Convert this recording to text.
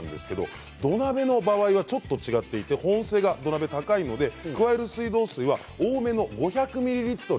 土鍋の場合はちょっと違っていて土鍋は保温性が高いので加える水道水は多めの５００ミリリットル。